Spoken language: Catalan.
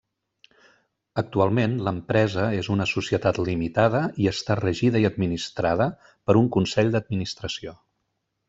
Actualment l'empresa és una societat limitada i està regida i administrada per un Consell d'Administració.